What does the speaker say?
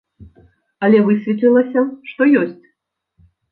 Але высветлілася, што ёсць!